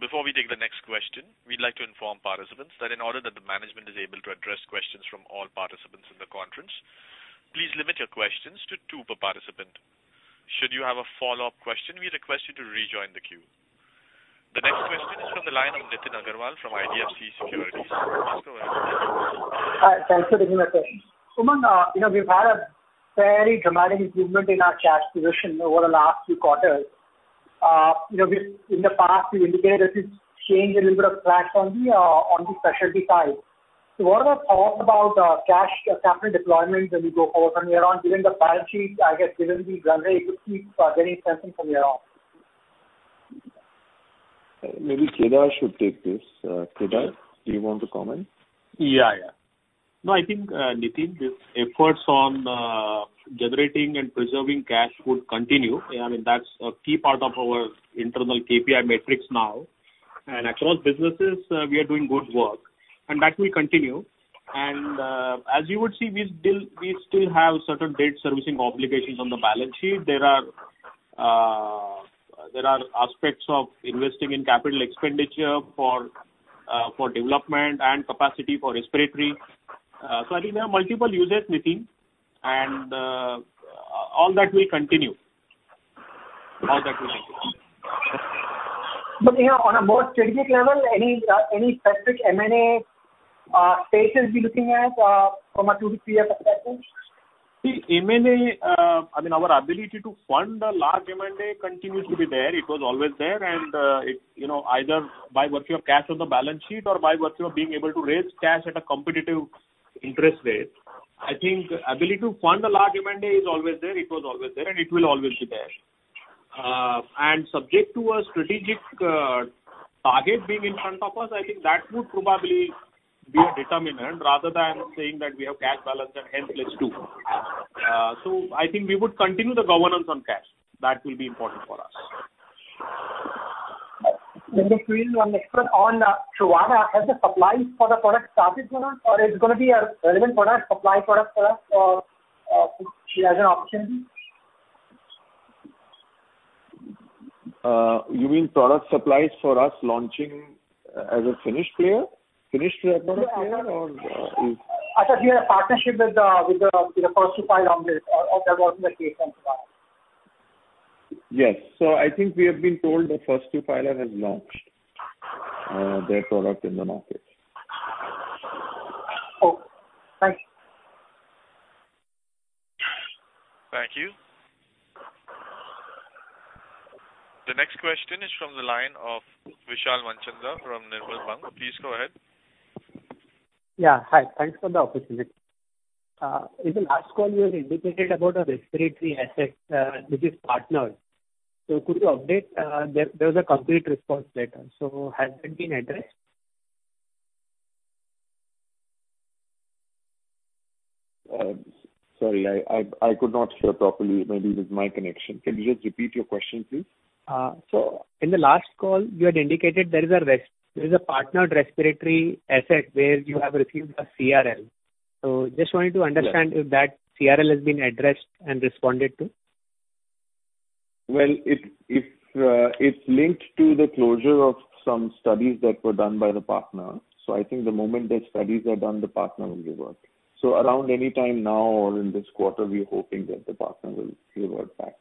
Before we take the next question, we'd like to inform participants that in order that the management is able to address questions from all participants in the conference, please limit your questions to two per participant. Should you have a follow-up question, we request you to rejoin the queue. The next question is from the line of Nitin Agarwal from IDFC Securities. Please go ahead. Hi. Thanks for taking my question. Umang, we've had a fairly dramatic improvement in our cash position over the last few quarters. In the past, you indicated that you've changed a little bit of track on the specialty side. So what are the thoughts about cash capital deployment when we go forward from here on, given the balance sheet, I guess, given the run rate, to keep getting something from here on? Maybe Kedar should take this. Kedar, do you want to comment? Yeah, yeah. No, I think, Nitin, these efforts on generating and preserving cash would continue. I mean, that's a key part of our internal KPI metrics now. And across businesses, we are doing good work. And that will continue. And as you would see, we still have certain debt servicing obligations on the balance sheet. There are aspects of investing in capital expenditure for development and capacity for respiratory. So I think there are multiple uses, Nitin. And all that will continue. All that will continue. But on a more strategic level, any specific M&A space that you'll be looking at from a two- to three-year perspective? See, M&A, I mean, our ability to fund the large M&A continues to be there. It was always there. And either by virtue of cash on the balance sheet or by virtue of being able to raise cash at a competitive interest rate, I think ability to fund the large M&A is always there. It was always there. And it will always be there. And subject to a strategic target being in front of us, I think that would probably be a determinant rather than saying that we have cash balance and hence, let's do. So I think we would continue the governance on cash. That will be important for us. In the field, one next question. On Truvada, has the supply for the product started for us? Or is it going to be a relevant product supply product for us as an opportunity? You mean product supplies for us launching as a finished player? Finished product player or is? I thought we had a partnership with the first two filers. Is that also the case on Truvada? Yes. So I think we have been told the first two filers have launched their product in the market. Okay. Thank you. Thank you. The next question is from the line of Vishal Manchanda from Nirmal Bang. Please go ahead. Yeah. Hi. Thanks for the opportunity. In the last call, you had indicated about a respiratory asset which is partnered. So could you update? There was a Complete Response Letter. So has that been addressed? Sorry. I could not hear properly. Maybe it is my connection. Can you just repeat your question, please? So in the last call, you had indicated there is a partnered respiratory asset where you have received a CRL. So just wanted to understand if that CRL has been addressed and responded to? It's linked to the closure of some studies that were done by the partner. So I think the moment the studies are done, the partner will give us. So around any time now or in this quarter, we are hoping that the partner will give us back.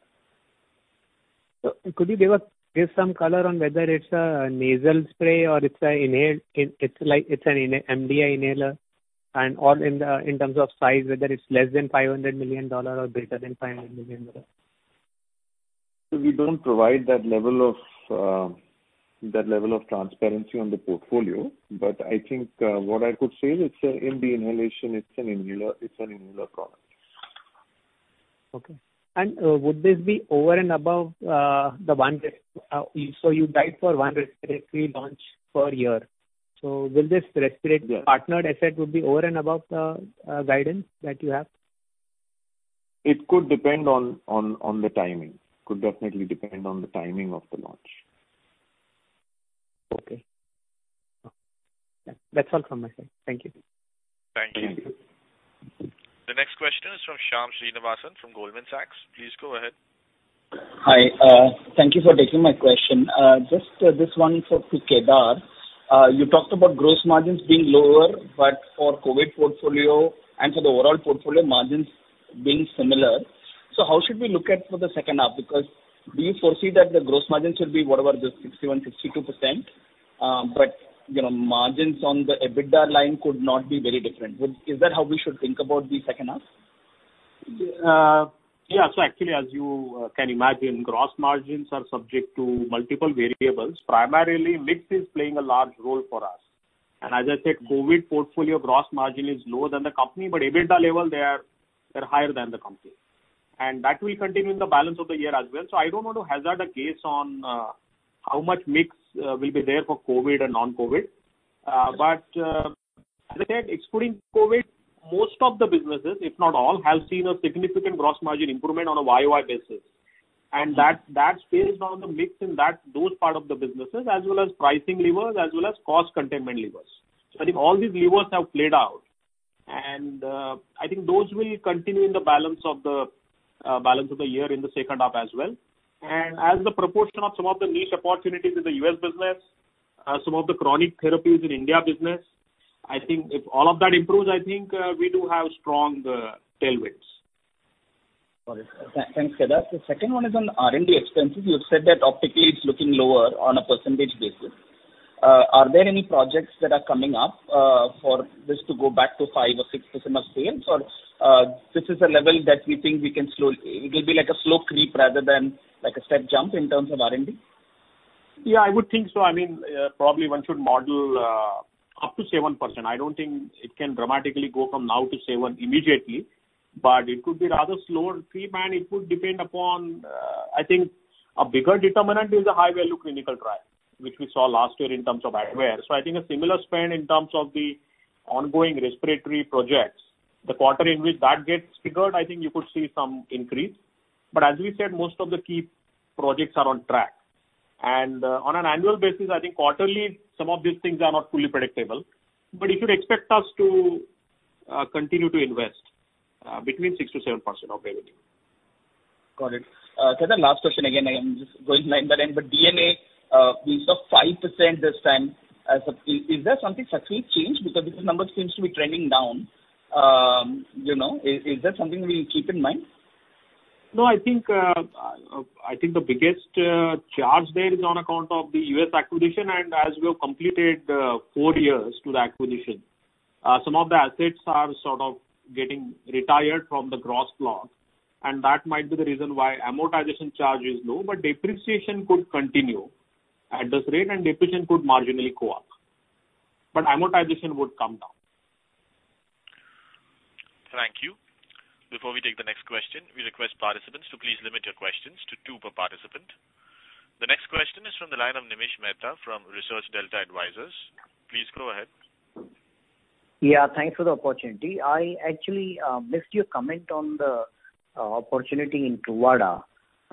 So could you give us some color on whether it's a nasal spray or it's an MDI inhaler? And in terms of size, whether it's less than $500 million or greater than $500 million? We don't provide that level of transparency on the portfolio. But I think what I could say is in the inhalation, it's an inhaler product. Okay. And would this be over and above the one? So you guided for one respiratory launch per year. So will this respiratory partnered asset would be over and above the guidance that you have? It could depend on the timing. Could definitely depend on the timing of the launch. Okay. That's all from my side. Thank you. Thank you. The next question is from Shyam Srinivasan from Goldman Sachs. Please go ahead. Hi. Thank you for taking my question. Just this one for Kedar. You talked about gross margins being lower, but for COVID portfolio and for the overall portfolio margins being similar. So how should we look at for the second half? Because do you foresee that the gross margin should be whatever, just 61%, 62%? But margins on the EBITDA line could not be very different. Is that how we should think about the second half? Yeah. So actually, as you can imagine, gross margins are subject to multiple variables. Primarily, mix is playing a large role for us. And as I said, COVID portfolio gross margin is lower than the company. But EBITDA level, they're higher than the company. And that will continue in the balance of the year as well. So I don't want to hazard a guess on how much mix will be there for COVID and non-COVID. But as I said, excluding COVID, most of the businesses, if not all, have seen a significant gross margin improvement on a Y-o-Y basis. And that's based on the mix in those parts of the businesses, as well as pricing levers, as well as cost containment levers. So I think all these levers have played out. And I think those will continue in the balance of the year in the second half as well. And as the proportion of some of the niche opportunities in the U.S. business, some of the chronic therapies in India business, I think if all of that improves, I think we do have strong tailwinds. Got it. Thanks, Kedar. The second one is on R&D expenses. You've said that optically it's looking lower on a percentage basis. Are there any projects that are coming up for this to go back to 5% or 6% of sales? Or this is a level that we think we can slowly it will be like a slow creep rather than like a step jump in terms of R&D? Yeah, I would think so. I mean, probably one should model up to 7%. I don't think it can dramatically go from now to 7% immediately. But it could be rather slower creep. And it would depend upon, I think, a bigger determinant is the high-value clinical trial, which we saw last year in terms of Advair. So I think a similar spend in terms of the ongoing respiratory projects, the quarter in which that gets triggered, I think you could see some increase. But as we said, most of the key projects are on track. And on an annual basis, I think quarterly, some of these things are not fully predictable. But you should expect us to continue to invest between 6%-7% of revenue. Got it. Kedar, last question. Again, I am just going line by line. But D&A, we saw 5% this time. Is there something subsequently changed? Because this number seems to be trending down. Is that something we will keep in mind? No, I think the biggest charge there is on account of the US acquisition. And as we have completed four years to the acquisition, some of the assets are sort of getting retired from the gross block. And that might be the reason why amortization charge is low. But depreciation could continue at this rate. And depreciation could marginally go up. But amortization would come down. Thank you. Before we take the next question, we request participants to please limit your questions to two per participant. The next question is from the line of Nimish Mehta from Research Delta Advisors. Please go ahead. Yeah. Thanks for the opportunity. I actually missed your comment on the opportunity in Truvada.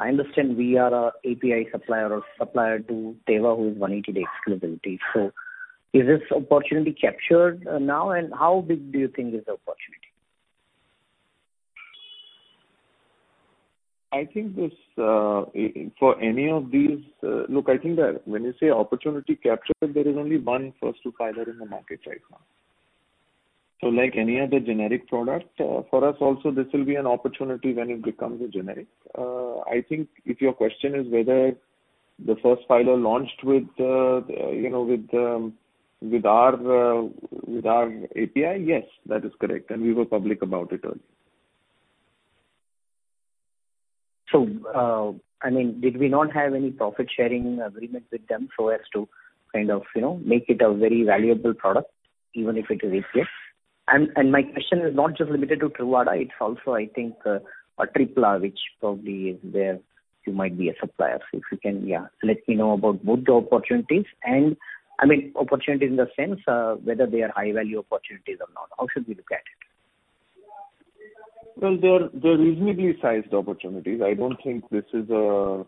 I understand we are an API supplier or supplier to Teva who is 180-day exclusivity. So is this opportunity captured now? And how big do you think is the opportunity? I think for any of these, look, I think that when you say "opportunity captured," there is only one first-to-filer in the market right now. So like any other generic product, for us also, this will be an opportunity when it becomes a generic? I think if your question is whether the first filer launched with our API, yes, that is correct. And we were public about it earlier. So I mean, did we not have any profit-sharing agreement with them so as to kind of make it a very valuable product, even if it is API? And my question is not just limited to Truvada. It's also, I think, an Atripla, which probably is where you might be a supplier. So if you can, yeah, let me know about both the opportunities. And I mean, opportunities in the sense whether they are high-value opportunities or not. How should we look at it? They're reasonably sized opportunities. I don't think this is where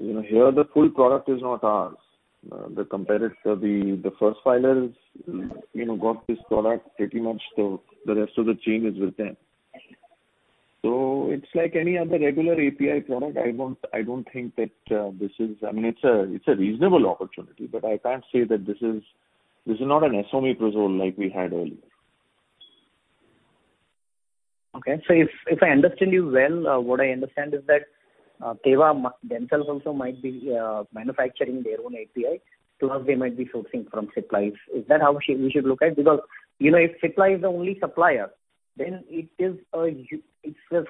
the full product is not ours. The first filers got this product. Pretty much the rest of the chain is with them. So it's like any other regular API product. I don't think that this is. I mean, it's a reasonable opportunity. But I can't say that this is not an Esomeprazole like we had earlier. Okay. So if I understand you well, what I understand is that Teva themselves also might be manufacturing their own API, plus they might be sourcing from suppliers. Is that how we should look at it? Because if Cipla is the only supplier, then it's a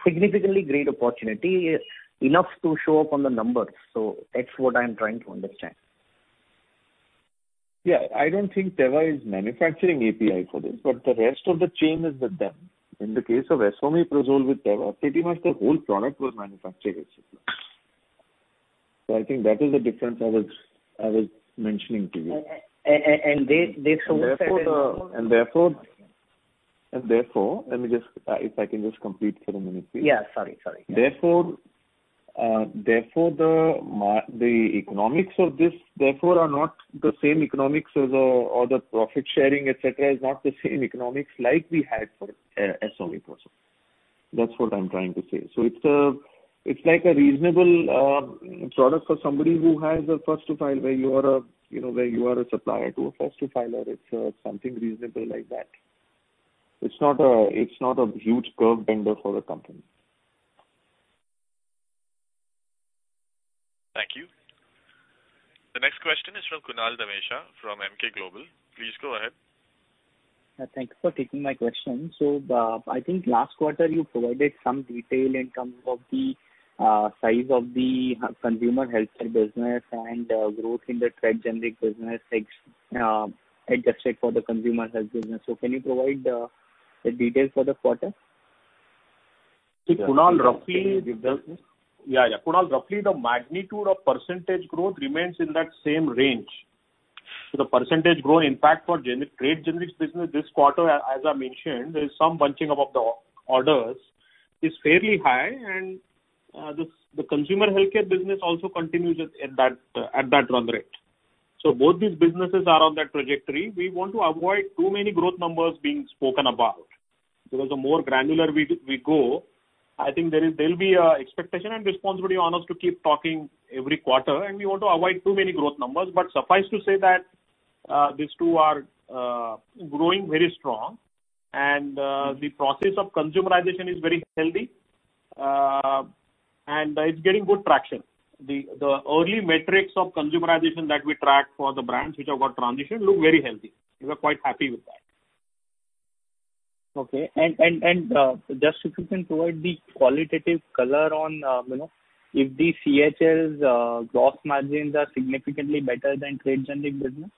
significantly great opportunity enough to show up on the numbers. So that's what I'm trying to understand. Yeah. I don't think Teva is manufacturing API for this. But the rest of the chain is with them. In the case of Esomeprazole with Teva, pretty much the whole product was manufactured with Cipla. So I think that is the difference I was mentioning to you. And therefore the. Therefore, let me just, if I can, just complete for a minute, please. Yeah. Sorry, sorry. Therefore, the economics of this therefore are not the same economics as other profit-sharing, etc., is not the same economics like we had for Esomeprazole. That's what I'm trying to say. So it's like a reasonable product for somebody who has a first-to-filer where you are a supplier to a first-to-filer. It's something reasonable like that. It's not a huge curvebender for the company. Thank you. The next question is from Kunal Dhamesha from Emkay Global. Please go ahead. Thanks for taking my question. So I think last quarter, you provided some detail in terms of the size of the consumer healthcare business and growth in the rest generic business adjusted for the consumer health business. So can you provide the details for the quarter? Kunal, roughly yeah, yeah. Kunal, roughly the magnitude of percentage growth remains in that same range. So the percentage growth, in fact, for the US generics business this quarter, as I mentioned, there is some bunching of orders, which is fairly high. And the consumer healthcare business also continues at that run rate. So both these businesses are on that trajectory. We want to avoid too many growth numbers being spoken about. Because the more granular we go, I think there will be an expectation and responsibility on us to keep talking every quarter. And we want to avoid too many growth numbers. But suffice to say that these two are growing very strong. And the process of consumerization is very healthy. And it's getting good traction. The early metrics of consumerization that we track for the brands which have got transition look very healthy. We are quite happy with that. Okay. And just if you can provide the qualitative color on if the CHL's gross margins are significantly better than the generic business?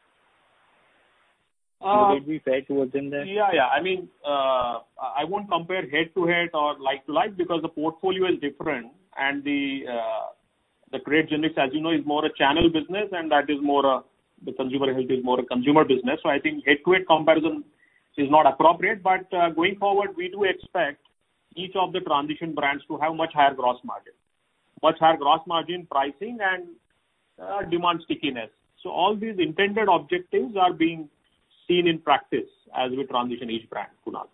So did we fare better in there? Yeah, yeah. I mean, I won't compare head-to-head or like-to-like because the portfolio is different. And the trade generics, as you know, is more of a channel business. And the consumer health is more of a consumer business. So I think head-to-head comparison is not appropriate. But going forward, we do expect each of the transition brands to have much higher gross margin, much higher gross margin pricing, and demand stickiness. So all these intended objectives are being seen in practice as we transition each brand, Kunal.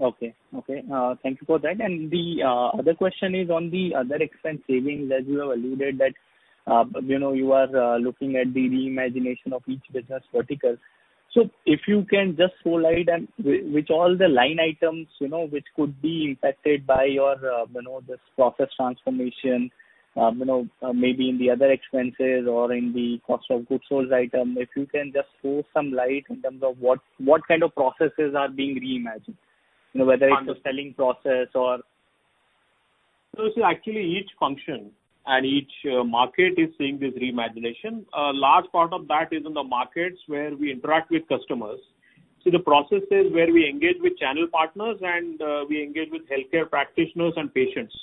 Okay. Okay. Thank you for that. And the other question is on the other expense savings as you have alluded that you are looking at the reimagination of each business vertical. So if you can just throw light with all the line items which could be impacted by this process transformation, maybe in the other expenses or in the cost of goods sold item, if you can just throw some light in terms of what kind of processes are being reimagined, whether it's the selling process or? So actually, each function and each market is seeing this reimagination. A large part of that is in the markets where we interact with customers. So the processes where we engage with channel partners and we engage with healthcare practitioners and patients,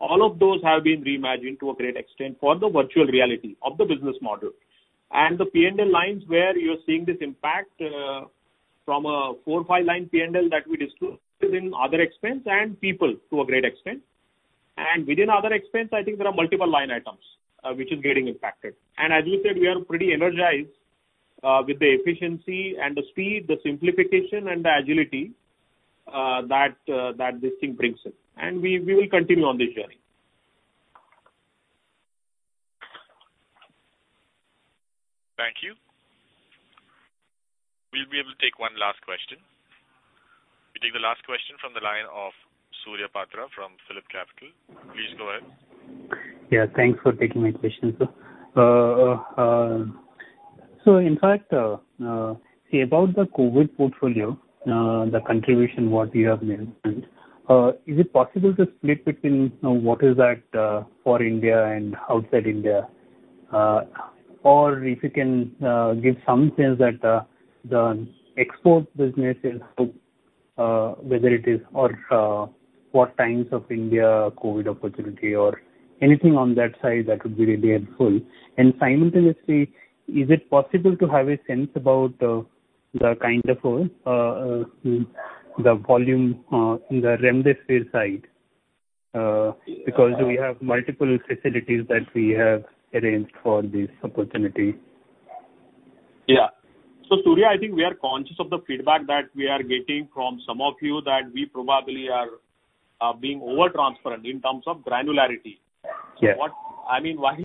all of those have been reimagined to a great extent for the virtual reality of the business model. And the P&L lines where you're seeing this impact from a four, five-line P&L that we disclose in other expense and people to a great extent. And within other expense, I think there are multiple line items which are getting impacted. And as we said, we are pretty energized with the efficiency and the speed, the simplification, and the agility that this thing brings in. And we will continue on this journey. Thank you. We'll be able to take one last question. We take the last question from the line of Surya Patra from PhillipCapital. Please go ahead. Yeah. Thanks for taking my question, sir. So in fact, see, about the COVID portfolio, the contribution what you have mentioned, is it possible to split between what is that for India and outside India? Or if you can give some sense that the export business is whether it is or what ties to India COVID opportunity or anything on that side that would be really helpful. And simultaneously, is it possible to have a sense about the kind of the volume in the Remdesivir side? Because we have multiple facilities that we have arranged for this opportunity. Yeah. So Surya, I think we are conscious of the feedback that we are getting from some of you that we probably are being over-transparent in terms of granularity. I mean, while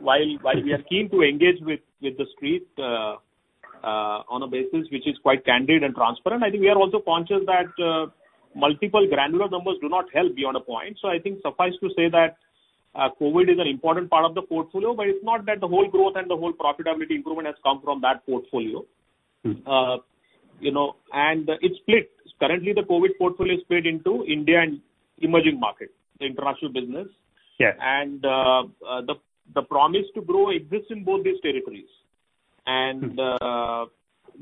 we are keen to engage with the street on a basis which is quite candid and transparent, I think we are also conscious that multiple granular numbers do not help beyond a point. So I think suffice to say that COVID is an important part of the portfolio. But it's not that the whole growth and the whole profitability improvement has come from that portfolio. And it's split. Currently, the COVID portfolio is split into India and emerging market, the international business. And the promise to grow exists in both these territories. And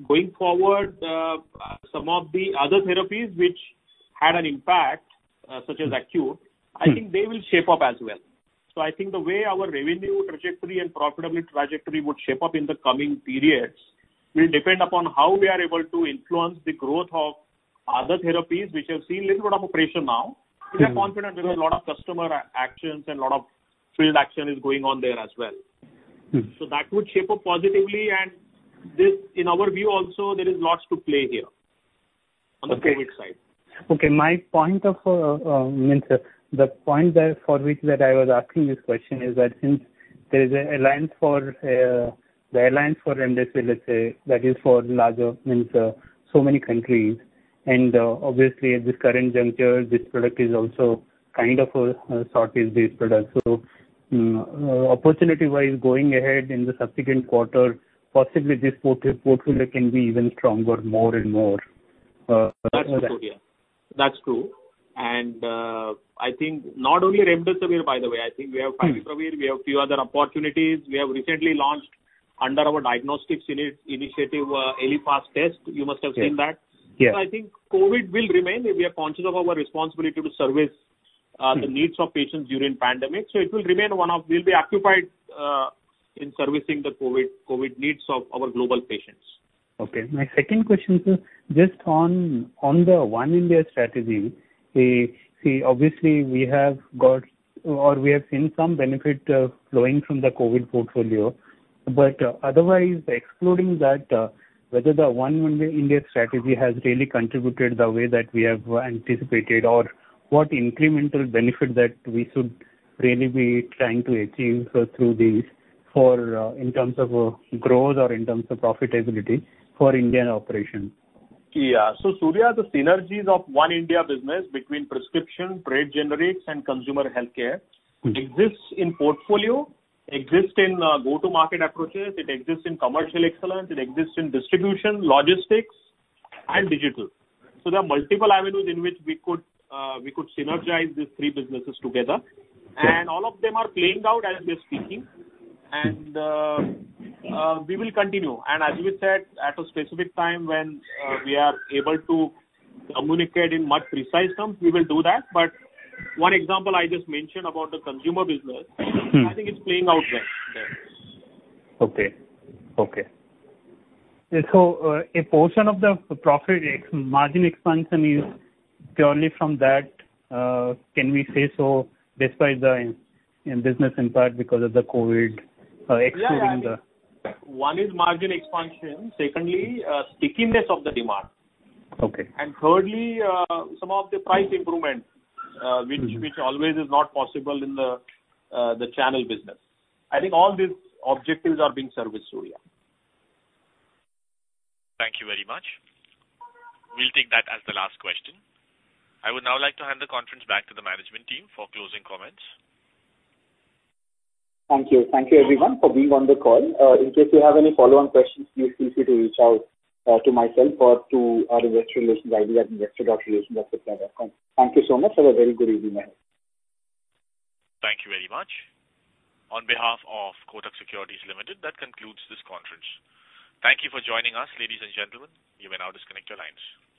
going forward, some of the other therapies which had an impact, such as acute, I think they will shape up as well. So I think the way our revenue trajectory and profitability trajectory would shape up in the coming periods will depend upon how we are able to influence the growth of other therapies which have seen a little bit of operation now. We are confident because a lot of customer actions and a lot of field action is going on there as well. So that would shape up positively. And in our view also, there is lots to play here on the COVID side. Okay. My point for which that I was asking this question is that since there is an alliance for Remdesivir, let's say, that is for larger so many countries. And obviously, at this current juncture, this product is also kind of a southeast-based product. So opportunity-wise, going ahead in the subsequent quarter, possibly this portfolio can be even stronger more and more. That's true. That's true. And I think not only Remdesivir, by the way. I think we have Favipiravir. We have a few other opportunities. We have recently launched under our diagnostics initiative, ELIFast test. You must have seen that. So I think COVID will remain if we are conscious of our responsibility to service the needs of patients during the pandemic. So it will remain one of we'll be occupied in servicing the COVID needs of our global patients. Okay. My second question is just on the One India strategy. See, obviously, we have got or we have seen some benefit flowing from the COVID portfolio. But otherwise, excluding that, whether the One India strategy has really contributed the way that we have anticipated or what incremental benefit that we should really be trying to achieve through these in terms of growth or in terms of profitability for Indian operations? Yeah. So Surya, the synergies of One India business between prescription, trade generics, and consumer healthcare exist in portfolio, exist in go-to-market approaches. It exists in commercial excellence. It exists in distribution, logistics, and digital. So there are multiple avenues in which we could synergize these three businesses together. And all of them are playing out as we are speaking. And we will continue. And as we said, at a specific time when we are able to communicate in much precise terms, we will do that. But one example I just mentioned about the consumer business, I think it's playing out well there. Okay. Okay. So a portion of the profit margin expansion is purely from that, can we say so, despite the business impact because of the COVID excluding the. Yeah. One is margin expansion. Secondly, stickiness of the demand. Okay. And thirdly, some of the price improvement which always is not possible in the channel business. I think all these objectives are being serviced, Surya. Thank you very much. We'll take that as the last question. I would now like to hand the conference back to the management team for closing comments. Thank you. Thank you, everyone, for being on the call. In case you have any follow-on questions, please feel free to reach out to myself or to our investor relations team at investor.relations@cipla.com. Thank you so much. Have a very good evening, my friend. Thank you very much. On behalf of Kotak Securities Limited, that concludes this conference. Thank you for joining us, ladies and gentlemen. You may now disconnect your lines.